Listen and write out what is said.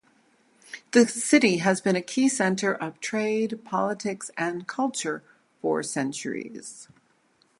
The city has been a key center of trade, politics, and culture for centuries.